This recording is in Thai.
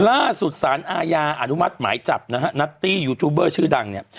ล่าสุดสารอาญาอนุมัติหมายจับนะฮะนัตตี้ยูทูบเบอร์ชื่อดังเนี่ย